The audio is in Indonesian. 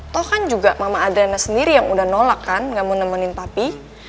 tau kan juga mama adriana sendiri yang udah nolak kan gak mau nemenin papi